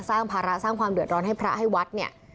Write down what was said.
สร้างภาระสร้างความเดือดร้อนให้พระให้วัด